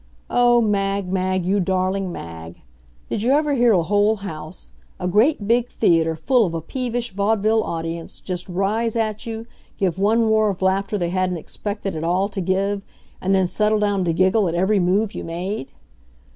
Oh, Mag, Mag, you darling Mag! Did you ever hear a whole house, a great big theater full of a peevish vaudeville audience, just rise at you, give one roar of laughter they hadn't expected at all to give, and then settle down to giggle at every move you made?